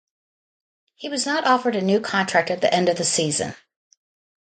He was not offered a new contract at the end of season.